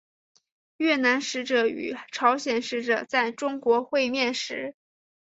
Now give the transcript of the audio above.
越南使者与朝鲜使者在中国会面时。